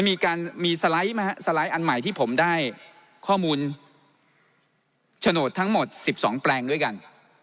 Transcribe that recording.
มันมีสไลด์อันใหม่ที่ผมได้ข้อมูลโฉนดทั้งหมด๑๒แปลงด้วยกัน